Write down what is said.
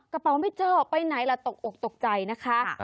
กระเป๋าไม่เจอไปไหนล่ะตกอกตกใจนะคะ